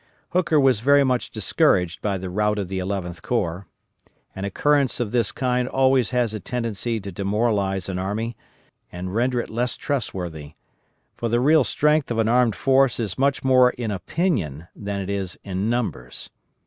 Hooker was very much discouraged by the rout of the Eleventh Corps. An occurrence of this kind always has a tendency to demoralize an army and render it less trustworthy; for the real strength of an armed force is much more in opinion than it is in numbers.